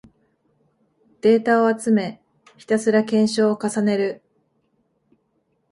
データを集め、ひたすら検証を重ねる